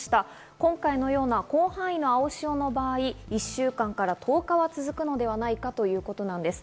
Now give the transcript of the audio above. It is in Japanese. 今回のような広範囲な青潮の場合、１週間から１０日は続くのではないかということなんです。